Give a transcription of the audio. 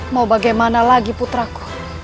mau bagaimana lagi putraku